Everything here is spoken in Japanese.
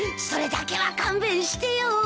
それだけは勘弁してよ。